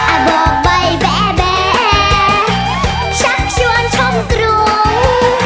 อาบอกไปแบะแบะชักชวนชมกรุง